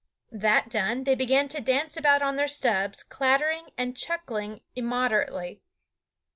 That done, they began to dance about on their stubs, clattering and chuckling immoderately.